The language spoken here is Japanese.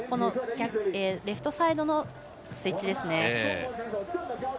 レフトサイドのスイッチですね。